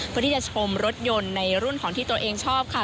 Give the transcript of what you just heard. เพื่อที่จะชมรถยนต์ในรุ่นของที่ตัวเองชอบค่ะ